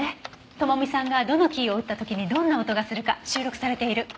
智美さんがどのキーを打った時にどんな音がするか収録されている。